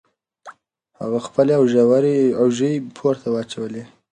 هغه خپلې اوژې پورته واچولې.